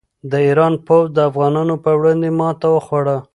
د ایران پوځ د افغانانو په وړاندې ماته وخوړه.